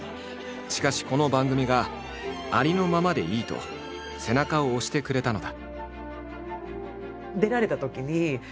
しかしこの番組が「ありのままでいい」と背中を押してくれたのだ。